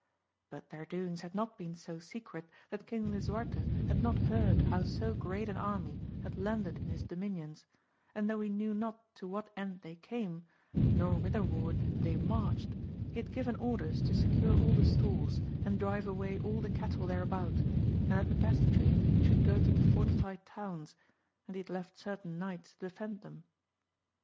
But their doings had not been so secret that King Lisuarte had not heard how so great an army had landed in his dominions ; and though he knew not to what end they came, nor whitherward they marched, he had given orders to secure all the stores, and drive away all the cattle thereabout, and that the peasantry should go to the fortified towns, and he had left certain knights to defend them.